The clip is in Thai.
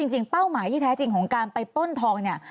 เป้าหมายที่แท้จริงของการไปป้นทองเนี่ย